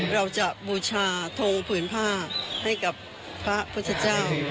บูชาทงผืนผ้าให้กับพระพุทธเจ้า